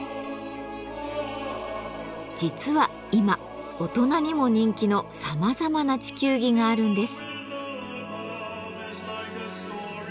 実は今大人にも人気のさまざまな地球儀があるんです。